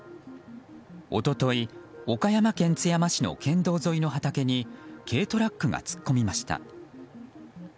一昨日、岡山県津山市の県道沿いの畑に軽トラックが突っ込みました。